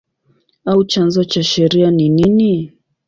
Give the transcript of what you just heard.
au chanzo cha sheria ni nini?